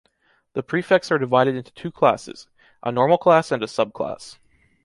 The prefects are divided into two classes: A normal class and a sub-class.